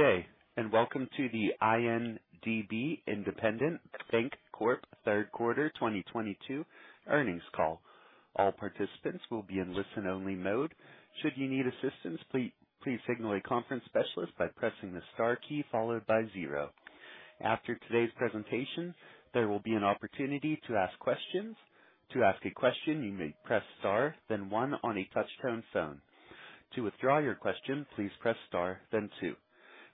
Good day, and welcome to the INDB Independent Bank Corp. third quarter 2022 earnings call. All participants will be in listen-only mode. Should you need assistance, please signal a conference specialist by pressing the star key followed by zero. After today's presentation, there will be an opportunity to ask questions. To ask a question, you may press star then one on a touch-tone phone. To withdraw your question, please press star then two.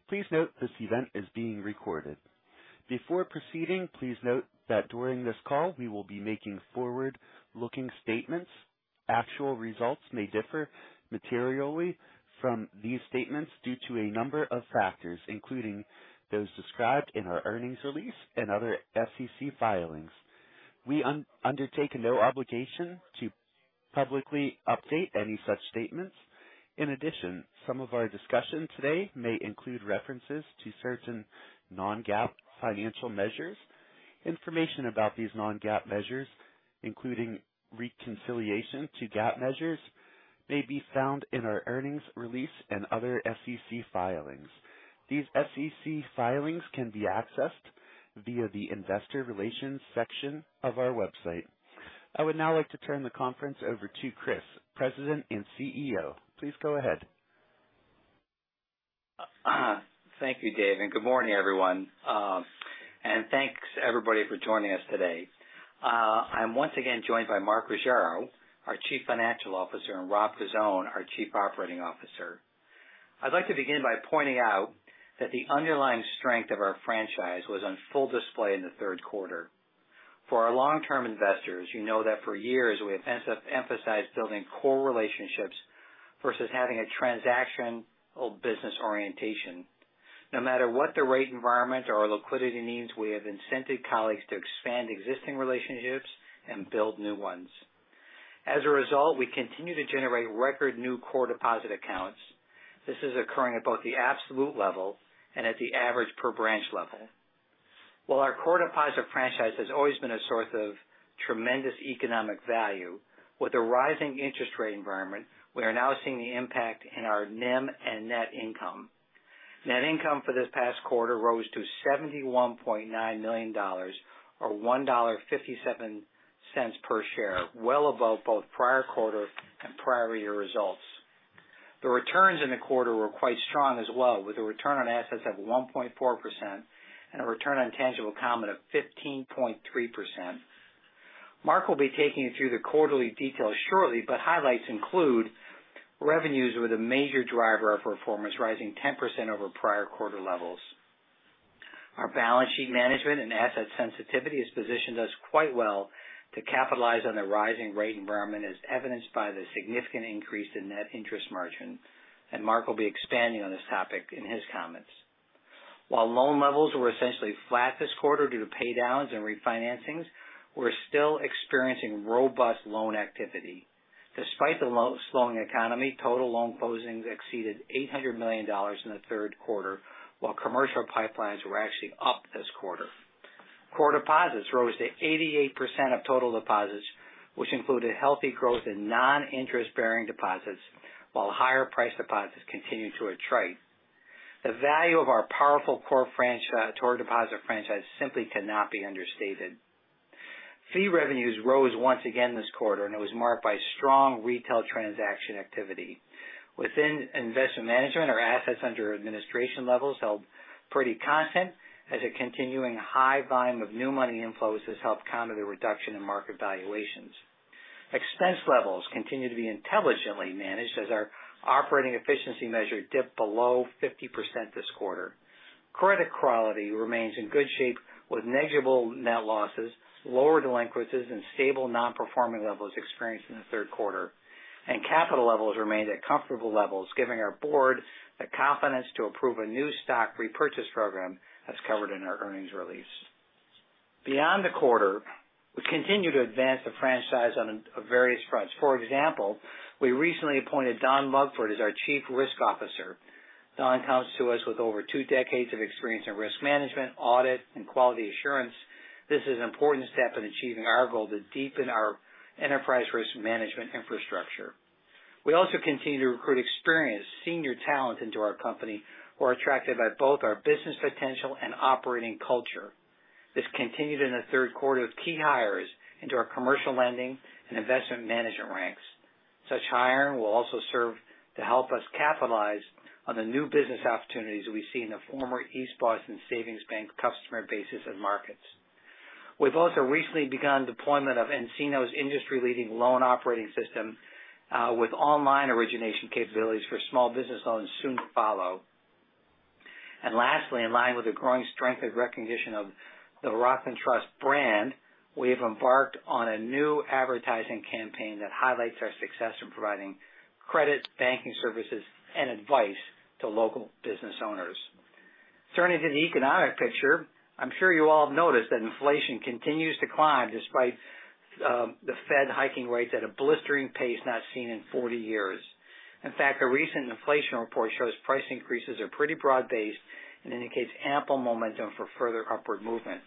Please note this event is being recorded. Before proceeding, please note that during this call, we will be making forward-looking statements. Actual results may differ materially from these statements due to a number of factors, including those described in our earnings release and other SEC filings. We undertake no obligation to publicly update any such statements. In addition, some of our discussion today may include references to certain non-GAAP financial measures. Information about these non-GAAP measures, including reconciliation to GAAP measures, may be found in our earnings release and other SEC filings. These SEC filings can be accessed via the investor relations section of our website. I would now like to turn the conference over to Christopher Oddleifson, President and CEO. Please go ahead. Thank you, Dave, and good morning, everyone. Thanks, everybody for joining us today. I'm once again joined by Mark Ruggiero, our Chief Financial Officer, and Rob Cozzone, our Chief Operating Officer. I'd like to begin by pointing out that the underlying strength of our franchise was on full display in the third quarter. For our long-term investors, you know that for years we have emphasized building core relationships versus having a transactional business orientation. No matter what the rate environment or our liquidity needs, we have incented colleagues to expand existing relationships and build new ones. As a result, we continue to generate record new core deposit accounts. This is occurring at both the absolute level and at the average per branch level. While our core deposit franchise has always been a source of tremendous economic value, with the rising interest rate environment, we are now seeing the impact in our NIM and net income. Net income for this past quarter rose to $71.9 million or $1.57 per share, well above both prior quarter and prior year results. The returns in the quarter were quite strong as well, with a return on assets of 1.4% and a return on tangible common of 15.3%. Mark will be taking you through the quarterly details shortly, but highlights include revenues with a major driver of performance rising 10% over prior quarter levels. Our balance sheet management and asset sensitivity has positioned us quite well to capitalize on the rising rate environment, as evidenced by the significant increase in Net Interest Margin, and Mark will be expanding on this topic in his comments. While loan levels were essentially flat this quarter due to pay downs and refinancings, we're still experiencing robust loan activity. Despite the slowing economy, total loan closings exceeded $800 million in the third quarter, while commercial pipelines were actually up this quarter. Core deposits rose to 88% of total deposits, which included healthy growth in non-interest-bearing deposits, while higher priced deposits continued to attrite. The value of our powerful core deposit franchise simply cannot be understated. Fee revenues rose once again this quarter, and it was marked by strong retail transaction activity. Within investment management, our assets under administration levels held pretty constant as a continuing high volume of new money inflows has helped counter the reduction in market valuations. Expense levels continue to be intelligently managed as our operating efficiency measure dipped below 50% this quarter. Credit quality remains in good shape with negligible net losses, lower delinquencies, and stable non-performing levels experienced in the third quarter. Capital levels remained at comfortable levels, giving our board the confidence to approve a new stock repurchase program, as covered in our earnings release. Beyond the quarter, we continue to advance the franchise on various fronts. For example, we recently appointed Dawn Mugford as our Chief Risk Officer. Dawn comes to us with over two decades of experience in risk management, audit, and quality assurance. This is an important step in achieving our goal to deepen our enterprise risk management infrastructure. We also continue to recruit experienced senior talent into our company who are attracted by both our business potential and operating culture. This continued in the third quarter with key hires into our commercial lending and investment management ranks. Such hiring will also serve to help us capitalize on the new business opportunities we see in the former East Boston Savings Bank customer base and markets. We've also recently begun deployment of nCino's industry-leading loan operating system, with online origination capabilities for small business owners soon to follow. Lastly, in line with the growing strength and recognition of the Rockland Trust brand, we have embarked on a new advertising campaign that highlights our success in providing credit, banking services, and advice to local business owners. Turning to the economic picture, I'm sure you all have noticed that inflation continues to climb despite the Fed hiking rates at a blistering pace not seen in 40 years. In fact, a recent inflation report shows price increases are pretty broad-based. It indicates ample momentum for further upward movement.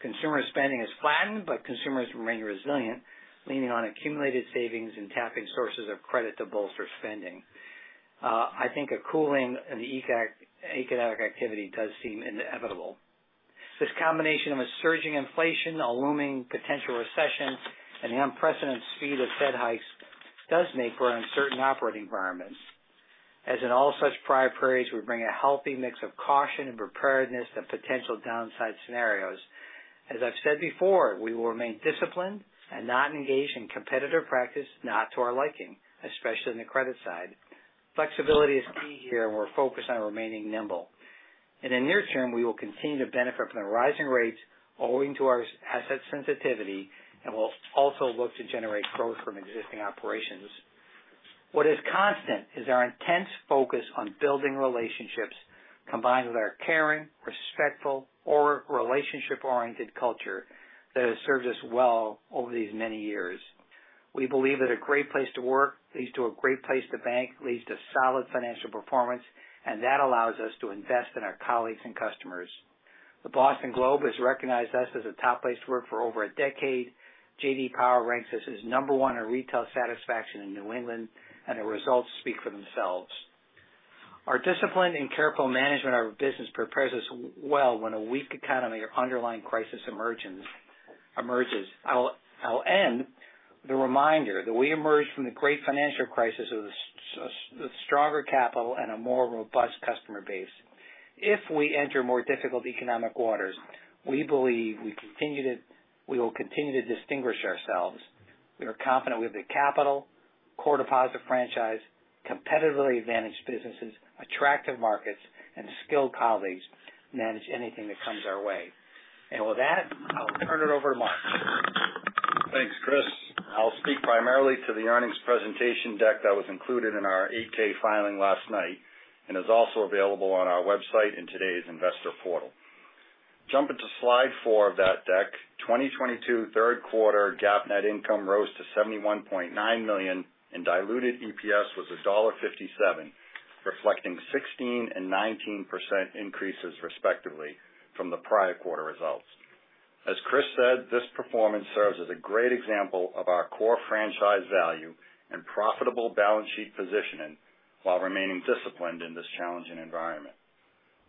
Consumer spending has flattened, but consumers remain resilient, leaning on accumulated savings and tapping sources of credit to bolster spending. I think a cooling in the economic activity does seem inevitable. This combination with surging inflation, a looming potential recession, and the unprecedented speed of Fed hikes does make for uncertain operating environments. As in all such prior periods, we bring a healthy mix of caution and preparedness to potential downside scenarios. As I've said before, we will remain disciplined and not engage in competitive practices not to our liking, especially on the credit side. Flexibility is key here, and we're focused on remaining nimble. In the near term, we will continue to benefit from the rising rates owing to our asset sensitivity, and we'll also look to generate growth from existing operations. What is constant is our intense focus on building relationships combined with our caring, respectful, our relationship-oriented culture that has served us well over these many years. We believe that a great place to work leads to a great place to bank, leads to solid financial performance, and that allows us to invest in our colleagues and customers. The Boston Globe has recognized us as a top place to work for over a decade. J.D. Power ranks us as number one in retail satisfaction in New England, and the results speak for themselves. Our discipline and careful management of our business prepares us well when a weak economy or underlying crisis emerges. I'll end with the reminder that we emerged from the great financial crisis with stronger capital and a more robust customer base. If we enter more difficult economic waters, we believe we will continue to distinguish ourselves. We are confident with the capital, core deposit franchise, competitively advantaged businesses, attractive markets, and skilled colleagues to manage anything that comes our way. With that, I'll turn it over to Mark. Thanks, Chris. I'll speak primarily to the earnings presentation deck that was included in our 8-K filing last night and is also available on our website in today's investor portal. Jumping to slide four of that deck, 2022 third quarter GAAP net income rose to $71.9 million, and diluted EPS was $1.57, reflecting 16% and 19% increases respectively from the prior quarter results. As Chris said, this performance serves as a great example of our core franchise value and profitable balance sheet positioning while remaining disciplined in this challenging environment.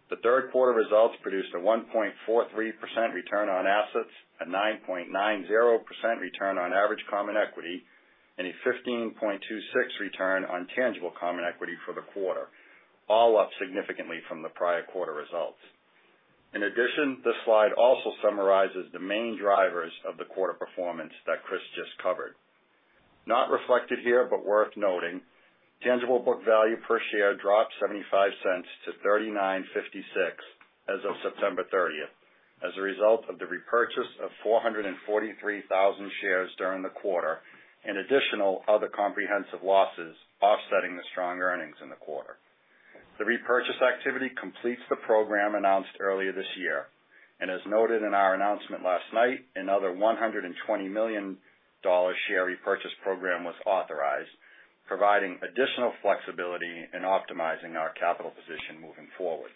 The third quarter results produced a 1.43% return on assets, a 9.90% return on average common equity, and a 15.26% return on tangible common equity for the quarter, all up significantly from the prior quarter results. In addition, this slide also summarizes the main drivers of the quarter performance that Chris just covered. Not reflected here, but worth noting, tangible book value per share dropped $0.75 to $39.56 as of September 30, as a result of the repurchase of 443,000 shares during the quarter and additional other comprehensive losses offsetting the strong earnings in the quarter. The repurchase activity completes the program announced earlier this year. As noted in our announcement last night, another $120 million share repurchase program was authorized, providing additional flexibility in optimizing our capital position moving forward.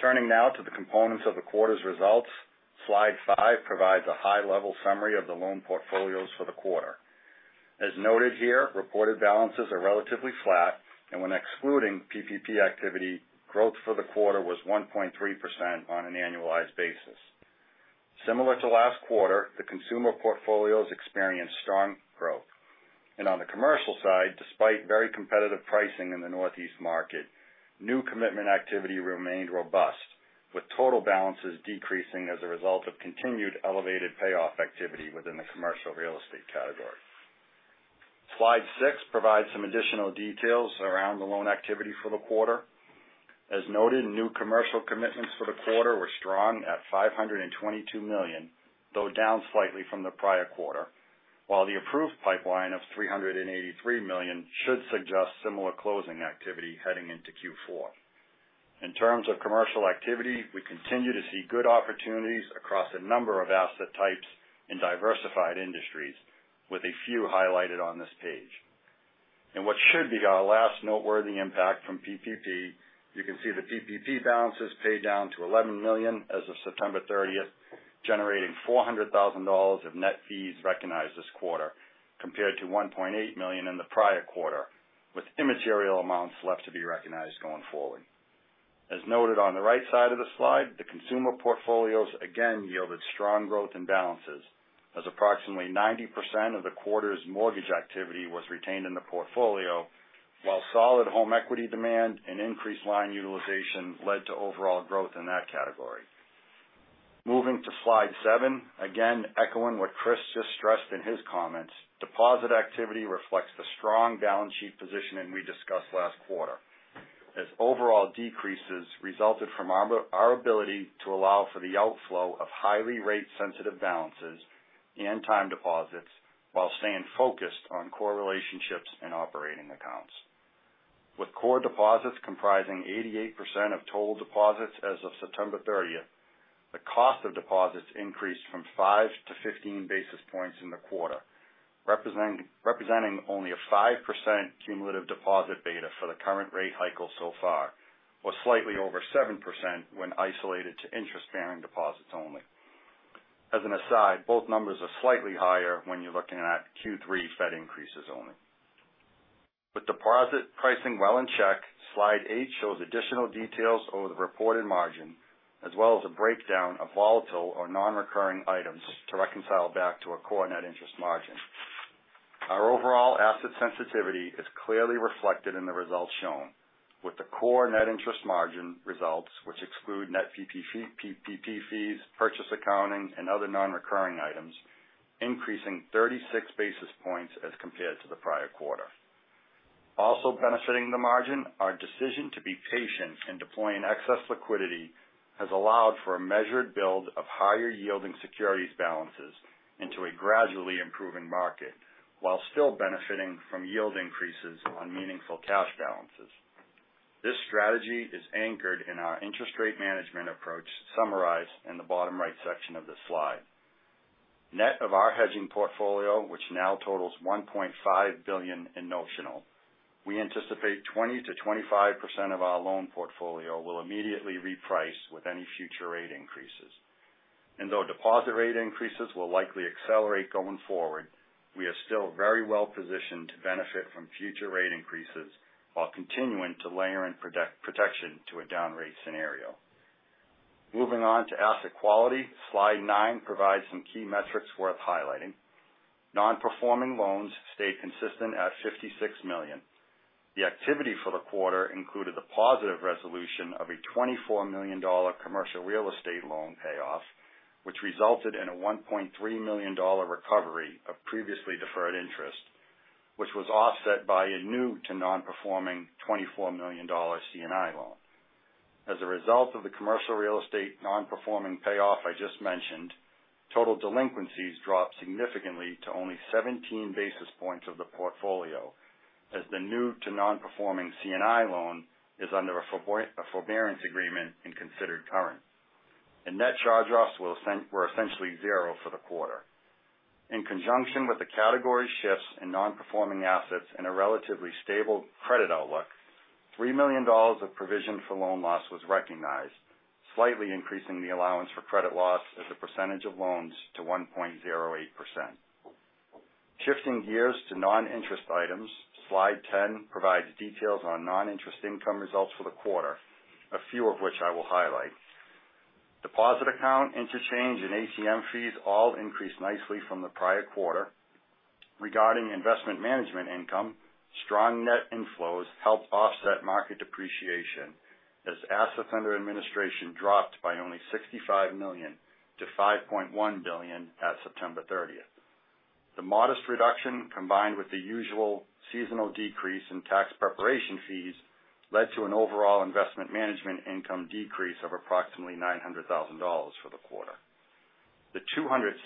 Turning now to the components of the quarter's results. Slide five provides a high-level summary of the loan portfolios for the quarter. As noted here, reported balances are relatively flat, and when excluding PPP activity, growth for the quarter was 1.3% on an annualized basis. Similar to last quarter, the consumer portfolios experienced strong growth. On the commercial side, despite very competitive pricing in the Northeast market, new commitment activity remained robust, with total balances decreasing as a result of continued elevated payoff activity within the commercial real estate category. Slide six provides some additional details around the loan activity for the quarter. As noted, new commercial commitments for the quarter were strong at $522 million, though down slightly from the prior quarter, while the approved pipeline of $383 million should suggest similar closing activity heading into Q4. In terms of commercial activity, we continue to see good opportunities across a number of asset types in diversified industries, with a few highlighted on this page. In what should be our last noteworthy impact from PPP, you can see the PPP balances paid down to $11 million as of September 30, generating $400,000 of net fees recognized this quarter compared to $1.8 million in the prior quarter, with immaterial amounts left to be recognized going forward. As noted on the right side of the slide, the consumer portfolios again yielded strong growth and balances as approximately 90% of the quarter's mortgage activity was retained in the portfolio, while solid home equity demand and increased line utilization led to overall growth in that category. Moving to slide seven, again echoing what Chris just stressed in his comments, deposit activity reflects the strong balance sheet positioning we discussed last quarter, as overall decreases resulted from our ability to allow for the outflow of highly rate-sensitive balances and time deposits while staying focused on core relationships and operating accounts. With core deposits comprising 88% of total deposits as of September thirtieth, the cost of deposits increased from 5-15 basis points in the quarter, representing only a 5% cumulative deposit beta for the current rate cycle so far, or slightly over 7% when isolated to interest-bearing deposits only. As an aside, both numbers are slightly higher when you're looking at Q3 Fed increases only. With deposit pricing well in check, slide eight shows additional details over the reported margin, as well as a breakdown of volatile or non-recurring items to reconcile back to our core net interest margin. Our overall asset sensitivity is clearly reflected in the results shown with the core net interest margin results, which exclude net PPP fees, purchase accounting and other non-recurring items, increasing 36 basis points as compared to the prior quarter. Also benefiting the margin, our decision to be patient in deploying excess liquidity has allowed for a measured build of higher yielding securities balances into a gradually improving market, while still benefiting from yield increases on meaningful cash balances. This strategy is anchored in our interest rate management approach summarized in the bottom right section of this slide. Net of our hedging portfolio, which now totals $1.5 billion in notional, we anticipate 20%-25% of our loan portfolio will immediately reprice with any future rate increases. Though deposit rate increases will likely accelerate going forward, we are still very well positioned to benefit from future rate increases while continuing to layer in protection to a down rate scenario. Moving on to asset quality, slide nine provides some key metrics worth highlighting. Non-performing loans stayed consistent at $56 million. The activity for the quarter included the positive resolution of a $24 million commercial real estate loan payoff, which resulted in a $1.3 million recovery of previously deferred interest, which was offset by a new to non-performing $24 million C&I loan. As a result of the commercial real estate non-performing payoff I just mentioned, total delinquencies dropped significantly to only 17 basis points of the portfolio as the newly non-performing C&I loan is under a forbearance agreement and considered current. Net charge-offs were essentially zero for the quarter. In conjunction with the category shifts in non-performing assets in a relatively stable credit outlook, $3 million of provision for loan loss was recognized, slightly increasing the allowance for credit loss as a percentage of loans to 1.08%. Shifting gears to non-interest items, slide 10 provides details on non-interest income results for the quarter, a few of which I will highlight. Deposit account interchange and ATM fees all increased nicely from the prior quarter. Regarding investment management income, strong net inflows helped offset market depreciation as assets under administration dropped by only $65 million to $5.1 billion at September 30. The modest reduction, combined with the usual seasonal decrease in tax preparation fees, led to an overall investment management income decrease of approximately $900,000 for the quarter. The $267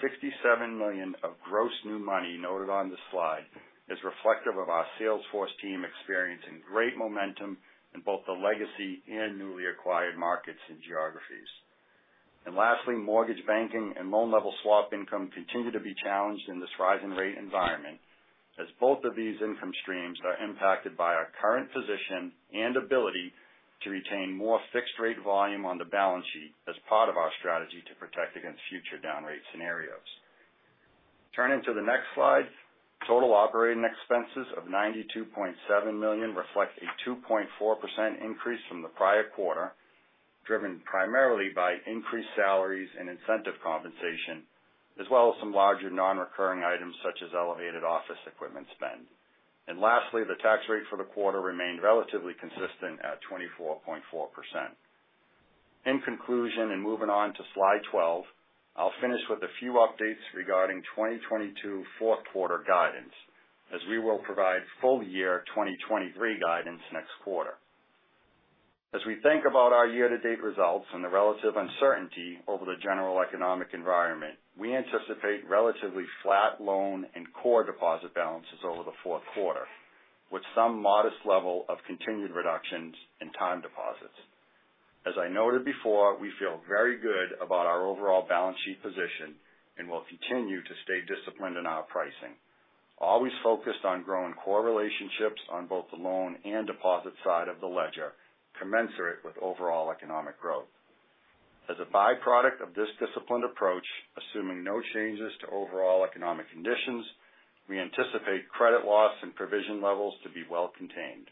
million of gross new money noted on this slide is reflective of our sales force team experiencing great momentum in both the legacy and newly acquired markets and geographies. Lastly, mortgage banking and loan level swap income continue to be challenged in this rising rate environment as both of these income streams are impacted by our current position and ability to retain more fixed rate volume on the balance sheet as part of our strategy to protect against future down rate scenarios. Turning to the next slide, total operating expenses of $92.7 million reflect a 2.4% increase from the prior quarter, driven primarily by increased salaries and incentive compensation, as well as some larger non-recurring items such as elevated office equipment spend. Lastly, the tax rate for the quarter remained relatively consistent at 24.4%. In conclusion, and moving on to slide twelve, I'll finish with a few updates regarding 2022 fourth quarter guidance, as we will provide full year 2023 guidance next quarter. As we think about our year-to-date results and the relative uncertainty over the general economic environment, we anticipate relatively flat loan and core deposit balances over the fourth quarter, with some modest level of continued reductions in time deposits. As I noted before, we feel very good about our overall balance sheet position and will continue to stay disciplined in our pricing. Always focused on growing core relationships on both the loan and deposit side of the ledger, commensurate with overall economic growth. As a byproduct of this disciplined approach, assuming no changes to overall economic conditions, we anticipate credit loss and provision levels to be well contained.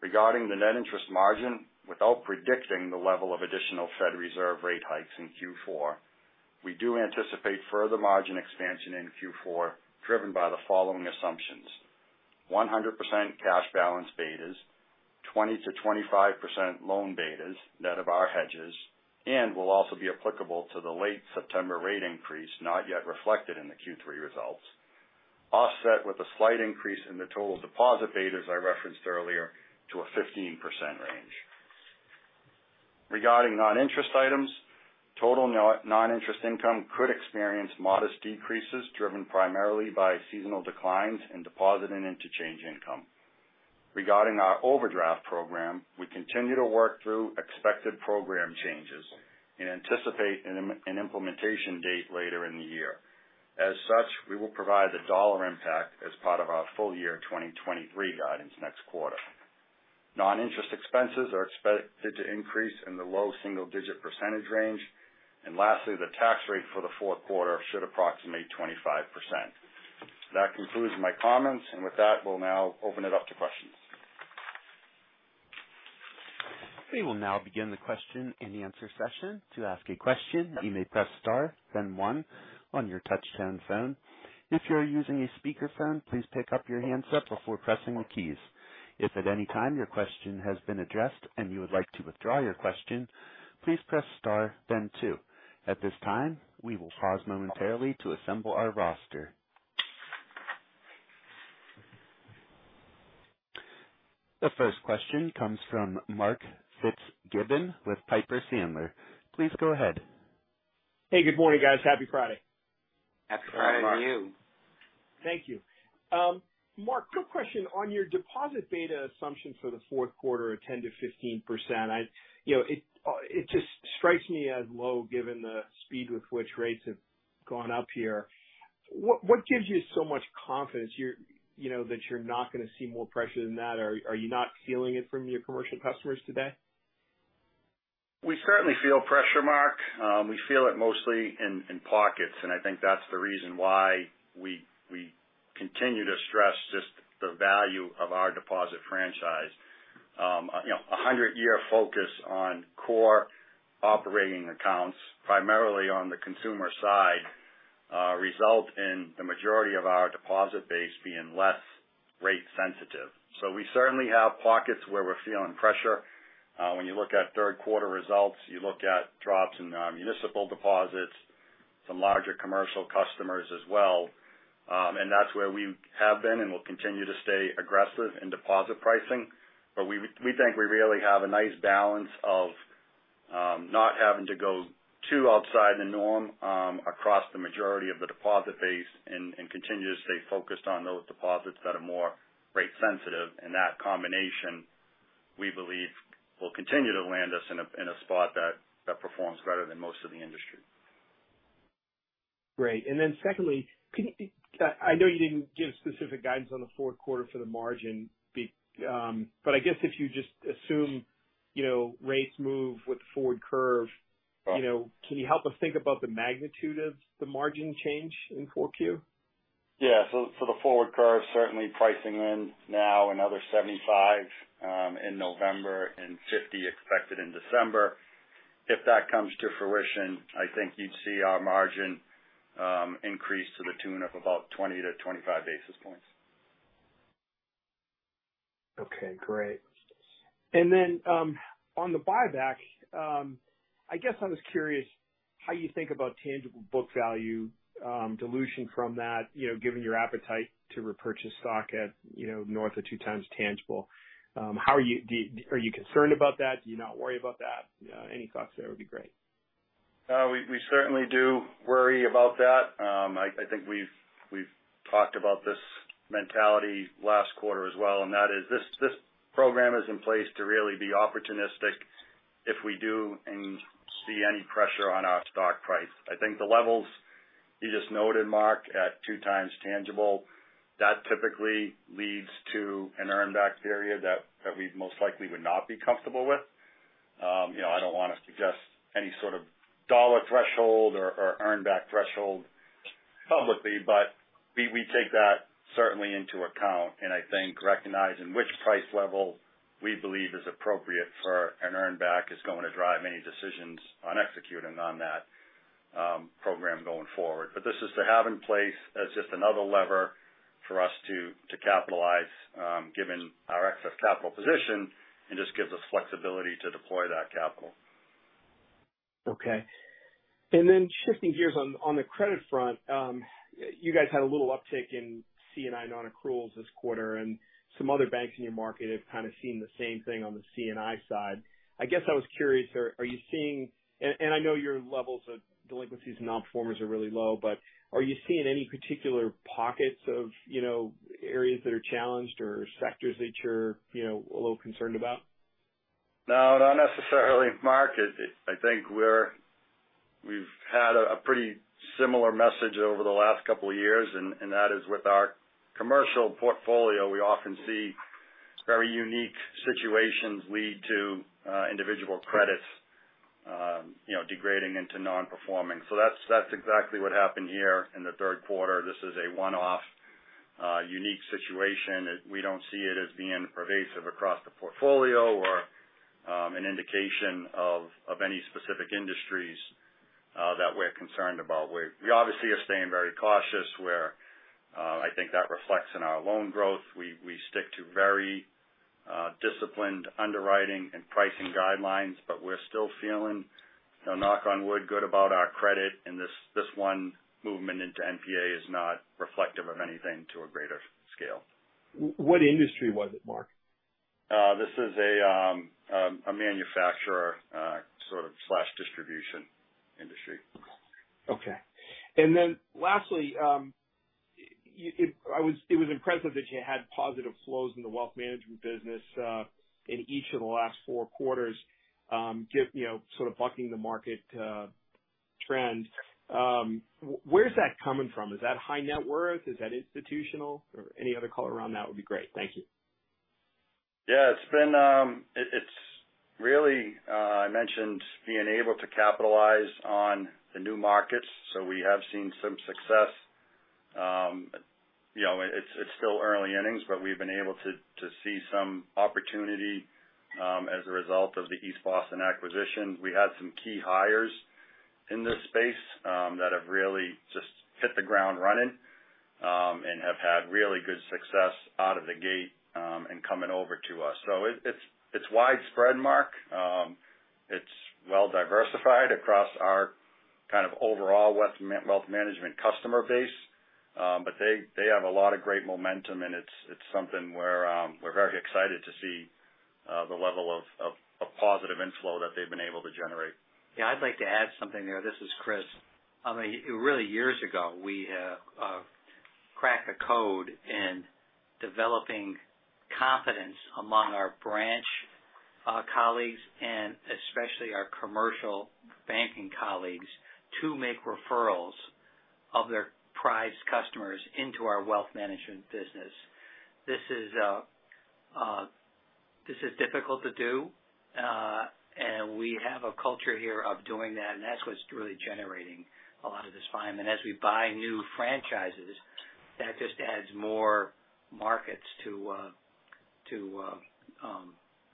Regarding the Net Interest Margin, without predicting the level of additional Federal Reserve rate hikes in Q4, we do anticipate further margin expansion in Q4, driven by the following assumptions. 100% cash balance betas, 20%-25% loan betas, net of our hedges, and will also be applicable to the late September rate increase not yet reflected in the Q3 results, offset with a slight increase in the total deposit betas I referenced earlier to a 15% range. Regarding non-interest items, total noninterest income could experience modest decreases driven primarily by seasonal declines in deposit and interchange income. Regarding our overdraft program, we continue to work through expected program changes and anticipate an implementation date later in the year. As such, we will provide the dollar impact as part of our full year 2023 guidance next quarter. Non-interest expenses are expected to increase in the low single-digit percentage range. Lastly, the tax rate for the fourth quarter should approximate 25%. That concludes my comments. With that, we'll now open it up to questions. We will now begin the question and answer session. To ask a question, you may press star then one on your touch-tone phone. If you're using a speakerphone, please pick up your handset before pressing the keys. If at any time your question has been addressed and you would like to withdraw your question, please press star then two. At this time, we will pause momentarily to assemble our roster. The first question comes from Mark Fitzgibbon with Piper Sandler. Please go ahead. Hey, good morning, guys. Happy Friday. Happy Friday to you. Thank you. Mark, quick question on your deposit beta assumption for the fourth quarter of 10%-15%. You know, it just strikes me as low given the speed with which rates have gone up here. What gives you so much confidence you're, you know, that you're not going to see more pressure than that? Are you not feeling it from your commercial customers today? We certainly feel pressure, Mark. We feel it mostly in pockets, and I think that's the reason why we continue to stress just the value of our deposit franchise. You know, a hundred-year focus on core operating accounts, primarily on the consumer side, result in the majority of our deposit base being less rate sensitive. We certainly have pockets where we're feeling pressure. When you look at third quarter results, you look at drops in municipal deposits, some larger commercial customers as well. That's where we have been and will continue to stay aggressive in deposit pricing. We think we really have a nice balance of not having to go too outside the norm, across the majority of the deposit base and continue to stay focused on those deposits that are more rate sensitive. That combination, we believe, will continue to land us in a spot that performs better than most of the industry. Great. Secondly, can you, I know you didn't give specific guidance on the fourth quarter for the margin, but I guess if you just assume, you know, rates move with the forward curve. Right. You know, can you help us think about the magnitude of the margin change in 4Q? Yeah. For the forward curve, certainly pricing in now another 75 in November and 50 expected in December. If that comes to fruition, I think you'd see our margin increase to the tune of about 20-25 basis points. Okay, great. On the buyback, I guess I was curious how you think about Tangible Book Value, dilution from that, you know, given your appetite to repurchase stock at, you know, north of 2x tangible. Are you concerned about that? Do you not worry about that? Any thoughts there would be great. We certainly do worry about that. I think we've talked about this mentality last quarter as well, and that is this program is in place to really be opportunistic if we do and see any pressure on our stock price. I think the levels you just noted, Mark, at 2x tangible, that typically leads to an earn back area that we most likely would not be comfortable with. You know, I don't want to suggest any sort of dollar threshold or earn back threshold publicly, but we take that certainly into account. I think recognizing which price level we believe is appropriate for an earn back is going to drive any decisions on executing on that program going forward. This is to have in place as just another lever for us to capitalize, given our excess capital position and just gives us flexibility to deploy that capital. Okay. Shifting gears on the credit front. You guys had a little uptick in C&I non-accruals this quarter and some other banks in your market have kind of seen the same thing on the C&I side. I guess I was curious, are you seeing and I know your levels of delinquencies and nonperformers are really low, but are you seeing any particular pockets of, you know, areas that are challenged or sectors that you're, you know, a little concerned about? No, not necessarily, Mark. I think we've had a pretty similar message over the last couple of years, and that is with our commercial portfolio, we often see very unique situations lead to individual credits, you know, degrading into non-performing. So that's exactly what happened here in the third quarter. This is a one-off unique situation. We don't see it as being pervasive across the portfolio or an indication of any specific industries that we're concerned about, where we obviously are staying very cautious where I think that reflects in our loan growth. We stick to very disciplined underwriting and pricing guidelines, but we're still feeling, you know, knock on wood, good about our credit and this one movement into NPA is not reflective of anything to a greater scale. What industry was it, Mark? This is a manufacturer sort of slash distribution industry. Okay. Lastly, it was impressive that you had positive flows in the wealth management business in each of the last four quarters, you know, sort of bucking the market trend. Where's that coming from? Is that high net worth? Is that institutional or any other color around that would be great. Thank you. Yeah, it's been. It's really. I mentioned being able to capitalize on the new markets. We have seen some success. You know, it's still early innings, but we've been able to see some opportunity as a result of the East Boston acquisition. We had some key hires in this space that have really just hit the ground running and have had really good success out of the gate in coming over to us. It's widespread, Mark. It's well diversified across our kind of overall wealth management customer base. They have a lot of great momentum and it's something we're very excited to see, the level of positive inflow that they've been able to generate. Yeah, I'd like to add something there. This is Chris. I mean, really years ago, we cracked a code in developing confidence among our branch colleagues and especially our commercial banking colleagues, to make referrals of their prized customers into our wealth management business. This is difficult to do, and we have a culture here of doing that, and that's what's really generating a lot of this volume. As we buy new franchises, that just adds more markets to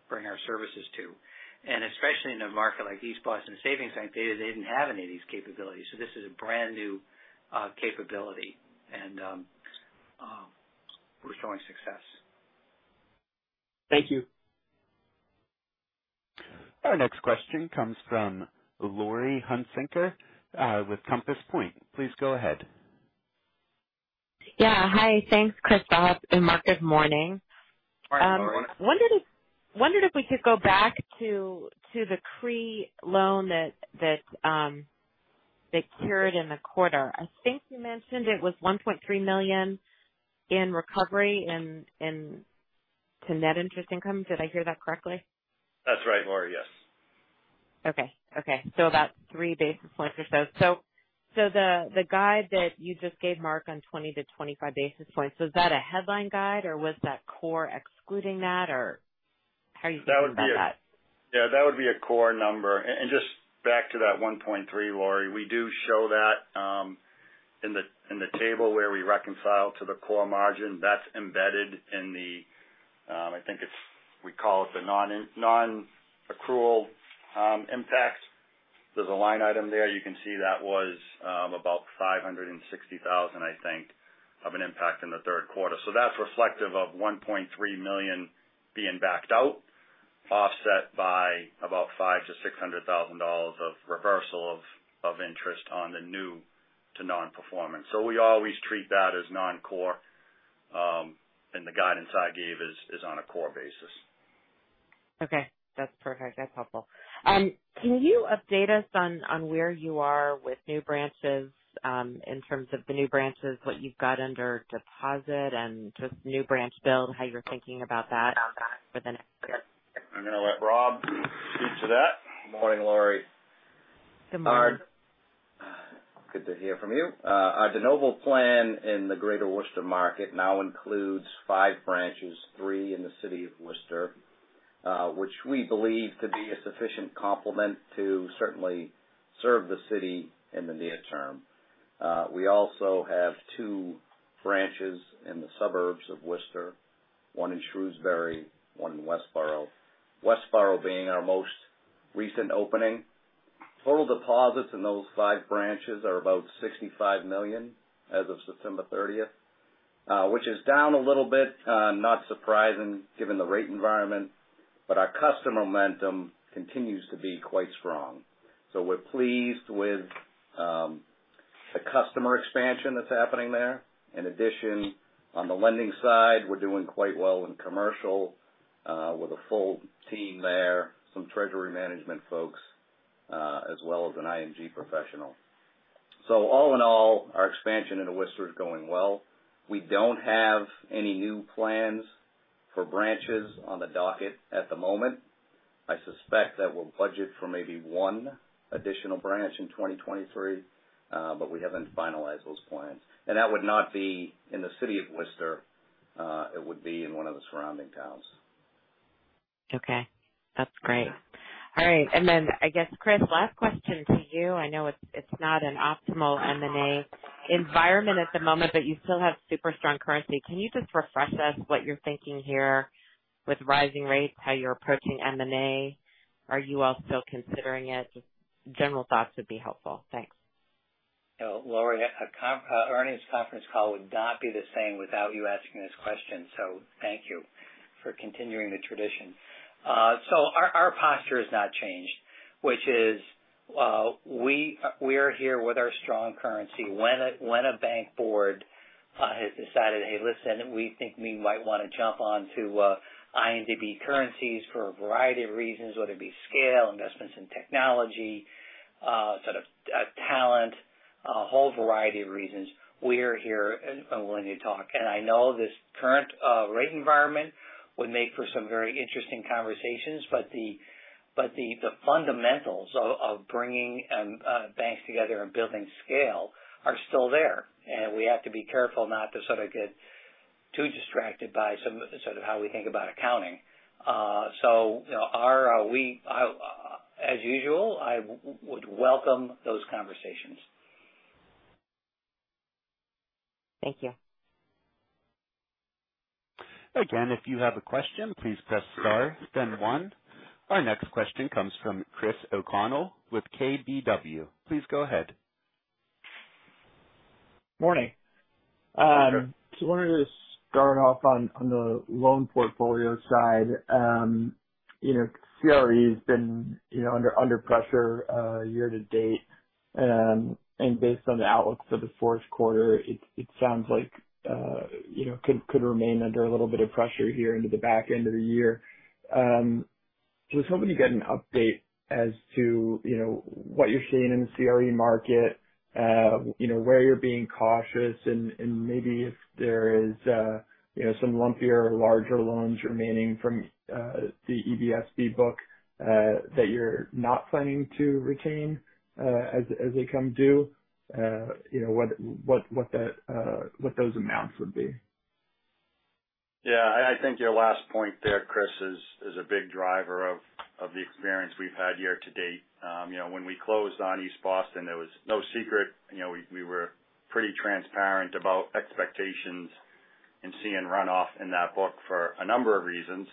bring our services to. Especially in a market like East Boston Savings Bank, they didn't have any of these capabilities. This is a brand new capability and we're showing success. Thank you. Our next question comes from Laurie Hunsicker, with Compass Point. Please go ahead. Yeah. Hi. Thanks, Chris, and Mark. Good morning. Morning, Laurie. Wondered if we could go back to the CRE loan that cured in the quarter. I think you mentioned it was $1.3 million in recovery to net interest income. Did I hear that correctly? That's right, Laurie. Yes. Okay. About three basis points or so. The guide that you just gave Mark on 20-25 basis points, was that a headline guide or was that core excluding that or how are you thinking about that? That would be a core number. Just back to that 1.3, Laurie, we do show that in the table where we reconcile to the core margin. That's embedded in, I think it's what we call the non-accrual impact. There's a line item there. You can see that was about $560,000, I think, of an impact in the third quarter. That's reflective of $1.3 million being backed out, offset by about $500,000-$600,000 of reversal of interest on the new to nonperforming. We always treat that as non-core, and the guidance I gave is on a core basis. Okay. That's perfect. That's helpful. Can you update us on where you are with new branches, in terms of the new branches, what you've got under development and just new branch build, how you're thinking about that for the next year? I'm gonna let Rob speak to that. Good morning, Laurie. Good morning. Mark. Good to hear from you. Our de novo plan in the Greater Worcester market now includes five branches, three in the City of Worcester, which we believe to be a sufficient complement to certainly serve the city in the near term. We also have two branches in the suburbs of Worcester, one in Shrewsbury, one in Westborough. Westborough being our most recent opening. Total deposits in those five branches are about $65 million as of September thirtieth, which is down a little bit, not surprising given the rate environment, but our customer momentum continues to be quite strong. We're pleased with the customer expansion that's happening there. In addition, on the lending side, we're doing quite well in commercial, with a full team there, some treasury management folks, as well as an IMG professional. All in all, our expansion into Worcester is going well. We don't have any new plans for branches on the docket at the moment. I suspect that we'll budget for maybe one additional branch in 2023, but we haven't finalized those plans. That would not be in the City of Worcester, it would be in one of the surrounding towns. Okay. That's great. All right. I guess, Chris, last question to you. I know it's not an optimal M&A environment at the moment, but you still have super strong currency. Can you just refresh us what you're thinking here with rising rates, how you're approaching M&A? Are you all still considering it? Just general thoughts would be helpful. Thanks. You know, Laurie, an earnings conference call would not be the same without you asking this question, so thank you for continuing the tradition. Our posture has not changed, which is, we are here with our strong currency. When a bank board Has decided, hey, listen, we think we might wanna jump on to INDB acquisition for a variety of reasons, whether it be scale, investments in technology, sort of talent, a whole variety of reasons. We are here and willing to talk. I know this current rate environment would make for some very interesting conversations, but the fundamentals of bringing banks together and building scale are still there. We have to be careful not to sort of get too distracted by some of the sort of how we think about accounting. You know, as usual, I would welcome those conversations. Thank you. Again, if you have a question, please press star then one. Our next question comes from Christopher O'Connell with KBW. Please go ahead. Morning. Just wanted to start off on the loan portfolio side. You know, CRE has been, you know, under pressure year to date. Based on the outlook for the fourth quarter, it sounds like, you know, could remain under a little bit of pressure here into the back end of the year. Just hoping to get an update as to, you know, what you're seeing in the CRE market, you know, where you're being cautious and maybe if there is, you know, some lumpier larger loans remaining from the EBSB book that you're not planning to retain as they come due. You know, what those amounts would be. Yeah. I think your last point there, Chris, is a big driver of the experience we've had year to date. You know, when we closed on East Boston, it was no secret. You know, we were pretty transparent about expectations and seeing runoff in that book for a number of reasons.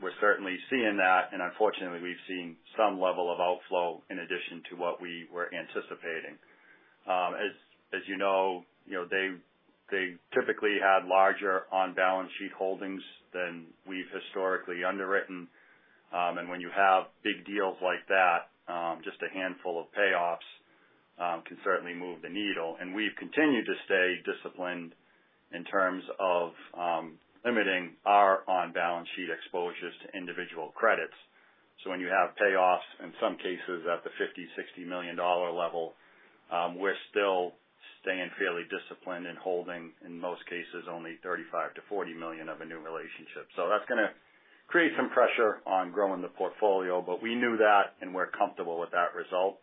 We're certainly seeing that, and unfortunately, we've seen some level of outflow in addition to what we were anticipating. As you know, they typically had larger on balance sheet holdings than we've historically underwritten. When you have big deals like that, just a handful of payoffs can certainly move the needle. We've continued to stay disciplined in terms of limiting our on balance sheet exposures to individual credits. When you have payoffs, in some cases at the $50-$60 million level, we're still staying fairly disciplined and holding, in most cases, only $35-$40 million of a new relationship. That's gonna create some pressure on growing the portfolio, but we knew that and we're comfortable with that result.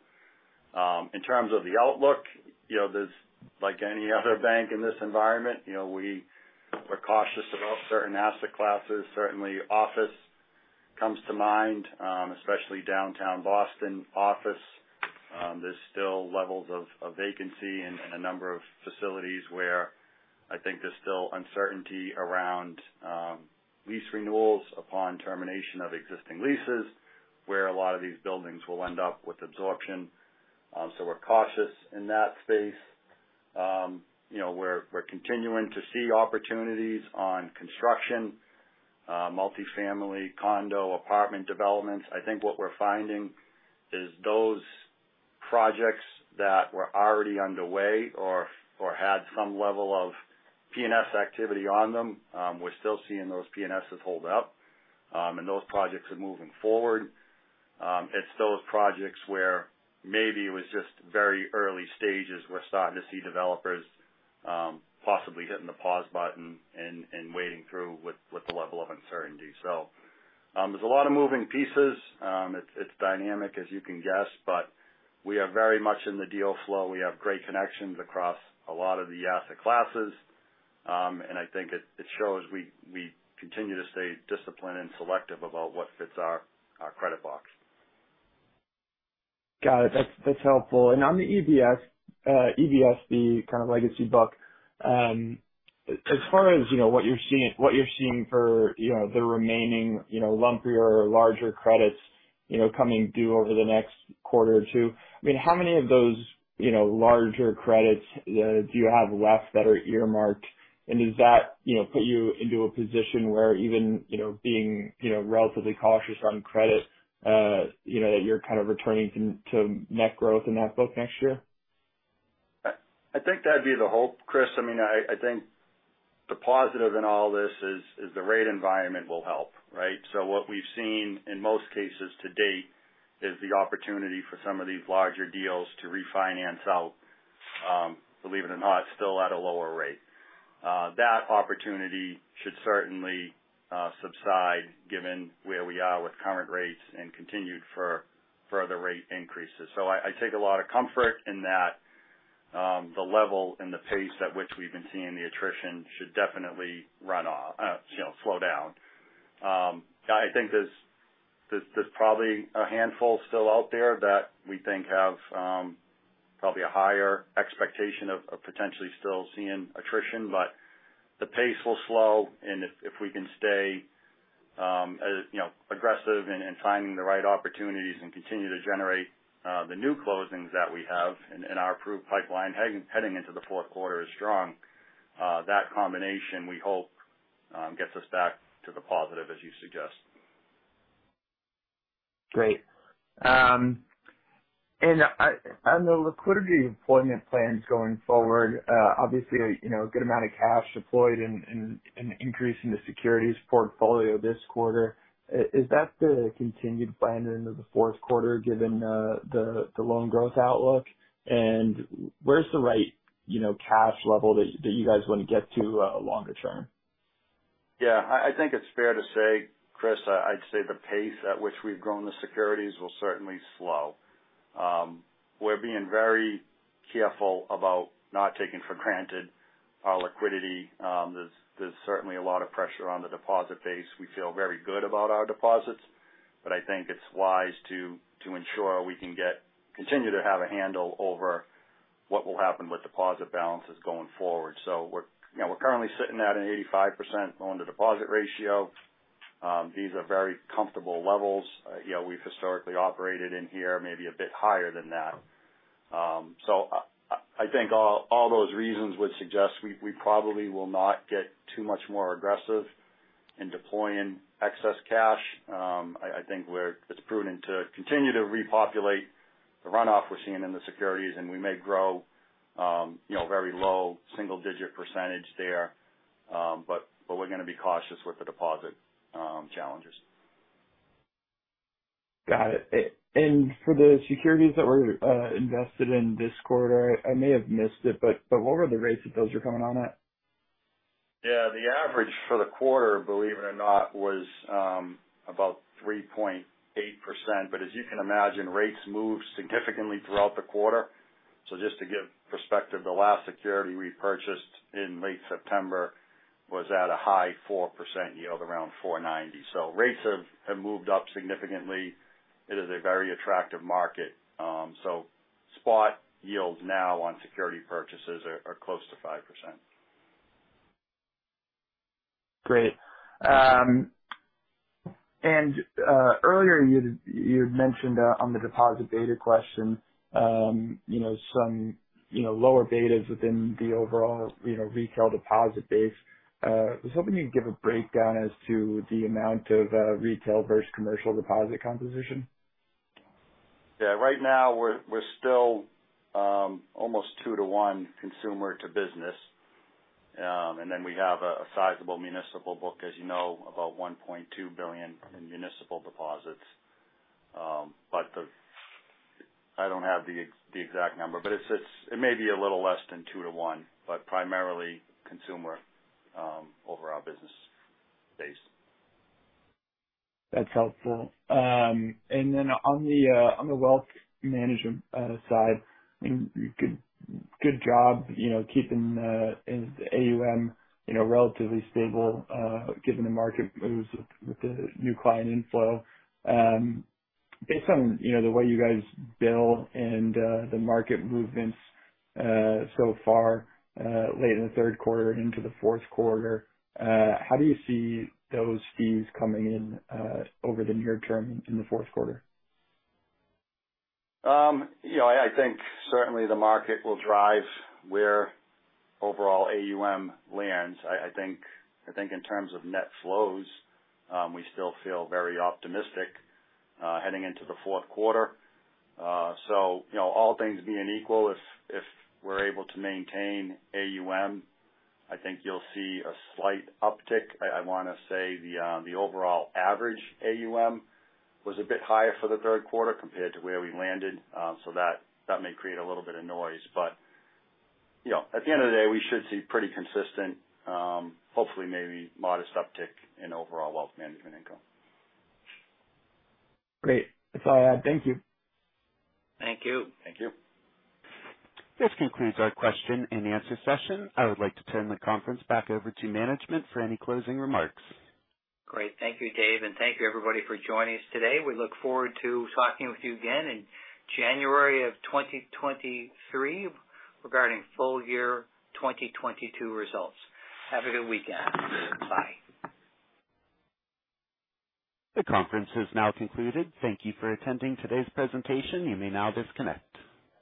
In terms of the outlook, you know, there's like any other bank in this environment, you know, we are cautious about certain asset classes. Certainly, office comes to mind, especially downtown Boston office. There's still levels of vacancy in a number of facilities where I think there's still uncertainty around lease renewals upon termination of existing leases, where a lot of these buildings will end up with absorption. We're cautious in that space. You know, we're continuing to see opportunities on construction, multifamily condo, apartment developments. I think what we're finding is those projects that were already underway or had some level of P&S activity on them, we're still seeing those P&Ss hold up, and those projects are moving forward. It's those projects where maybe it was just very early stages, we're starting to see developers, possibly hitting the pause button and waiting through with the level of uncertainty. There's a lot of moving pieces. It's dynamic as you can guess, but we are very much in the deal flow. We have great connections across a lot of the asset classes. I think it shows we continue to stay disciplined and selective about what fits our credit box. Got it. That's helpful. On the EBSB kind of legacy book, as far as, you know, what you're seeing for, you know, the remaining, you know, lumpier or larger credits, you know, coming due over the next quarter or two. I mean, how many of those, you know, larger credits do you have left that are earmarked? Does that, you know, put you into a position where even, you know, being, you know, relatively cautious on credit, uh, you know, that you're kind of returning to net growth in that book next year? I think that'd be the hope, Chris. I mean, I think the positive in all this is the rate environment will help, right? What we've seen in most cases to date is the opportunity for some of these larger deals to refinance out, believe it or not, still at a lower rate. That opportunity should certainly subside given where we are with current rates and continued further rate increases. I take a lot of comfort in that, the level and the pace at which we've been seeing the attrition should definitely run off, you know, slow down. I think there's probably a handful still out there that we think have probably a higher expectation of potentially still seeing attrition, but the pace will slow. If we can stay, you know, aggressive in finding the right opportunities and continue to generate the new closings that we have in our approved pipeline heading into the fourth quarter is strong. That combination, we hope, gets us back to the positive, as you suggest. Great. On the liquidity deployment plans going forward, obviously, you know, a good amount of cash deployed and an increase in the securities portfolio this quarter. Is that the continued plan into the fourth quarter given the loan growth outlook? Where's the right, you know, cash level that you guys want to get to longer term? Yeah, I think it's fair to say, Chris, I'd say the pace at which we've grown the securities will certainly slow. We're being very careful about not taking for granted our liquidity. There's certainly a lot of pressure on the deposit base. We feel very good about our deposits, but I think it's wise to ensure we can continue to have a handle over what will happen with deposit balances going forward. You know, we're currently sitting at an 85% loan-to-deposit ratio. These are very comfortable levels. You know, we've historically operated in here maybe a bit higher than that. I think all those reasons would suggest we probably will not get too much more aggressive in deploying excess cash. I think it's prudent to continue to repopulate the runoff we're seeing in the securities, and we may grow, you know, very low single-digit percentage there. We're going to be cautious with the deposit challenges. Got it. For the securities that were invested in this quarter, I may have missed it, but what were the rates that those are coming on at? Yeah. The average for the quarter, believe it or not, was about 3.8%. As you can imagine, rates moved significantly throughout the quarter. Just to give perspective, the last security we purchased in late September was at a high 4% yield, around 4.90. Rates have moved up significantly. It is a very attractive market. Spot yields now on security purchases are close to 5%. Great. Earlier you'd mentioned on the deposit beta question, you know, some lower betas within the overall, you know, retail deposit base. I was hoping you'd give a breakdown as to the amount of retail versus commercial deposit composition. Yeah. Right now we're still almost 2 to 1 consumer to business. Then we have a sizable municipal book, as you know, about $1.2 billion in municipal deposits. I don't have the exact number, but it's a little less than 2 to 1, but primarily consumer overall business base. That's helpful. On the wealth management side, I mean, good job, you know, keeping AUM, you know, relatively stable, given the market moves with the new client inflow. Based on, you know, the way you guys bill and the market movements so far, late in the third quarter into the fourth quarter, how do you see those fees coming in over the near term in the fourth quarter? You know, I think certainly the market will drive where overall AUM lands. I think in terms of net flows, we still feel very optimistic heading into the fourth quarter. You know, all things being equal, if we're able to maintain AUM, I think you'll see a slight uptick. I wanna say the overall average AUM was a bit higher for the third quarter compared to where we landed. That may create a little bit of noise. You know, at the end of the day, we should see pretty consistent, hopefully maybe modest uptick in overall wealth management income. Great. That's all I have. Thank you. Thank you. Thank you. This concludes our question and answer session. I would like to turn the conference back over to management for any closing remarks. Great. Thank you, Dave. Thank you everybody for joining us today. We look forward to talking with you again in January of 2023 regarding full year 2022 results. Have a good weekend. Bye. The conference has now concluded. Thank you for attending today's presentation. You may now disconnect.